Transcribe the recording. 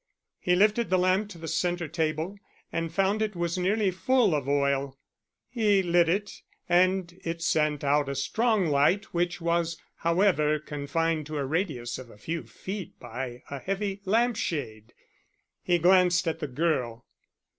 He lifted the lamp to the centre table, and found it was nearly full of oil. He lit it, and it sent out a strong light, which was, however, confined to a radius of a few feet by a heavy lampshade. He glanced at the girl.